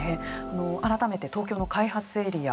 改めて東京の開発エリア